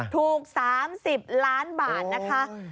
ถูก๓๐ล้านบาทนะคะ